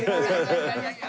ハハハハ。